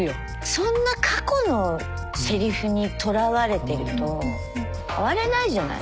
そんな過去のせりふにとらわれてると変われないじゃない。